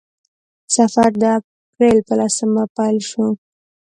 سفر د اپریل په لسمه پیل شو.